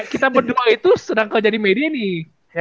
kita berdua itu sedang kejadi media nih